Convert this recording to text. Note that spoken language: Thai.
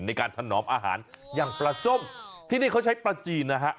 ถนอมอาหารอย่างปลาส้มที่นี่เขาใช้ปลาจีนนะฮะ